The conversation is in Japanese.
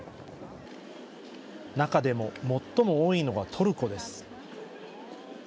中でも最も多いのがトルコです。